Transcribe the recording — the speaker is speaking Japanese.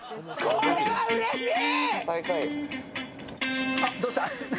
これはうれしい！